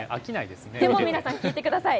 でも皆さん聞いてください。